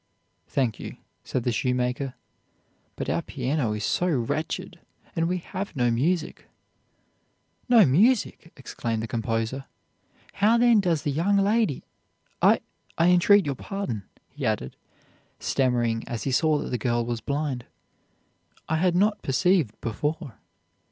"'Thank you,' said the shoemaker, 'but our piano is so wretched, and we have no music.' "'No music!' exclaimed the composer; 'how, then, does the young lady I I entreat your pardon,' he added, stammering as he saw that the girl was blind; 'I had not perceived before.